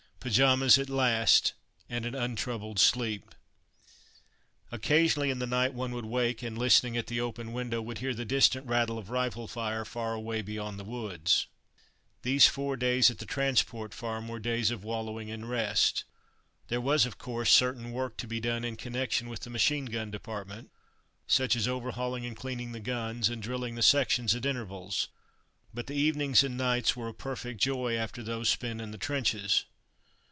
Pyjamas at last! and an untroubled sleep. Occasionally in the night one would wake and, listening at the open window, would hear the distant rattle of rifle fire far away beyond the woods. [Illustration: boy and bird] These four days at the Transport Farm were days of wallowing in rest. There was, of course, certain work to be done in connection with the machine gun department, such as overhauling and cleaning the guns, and drilling the section at intervals; but the evenings and nights were a perfect joy after those spent in the trenches.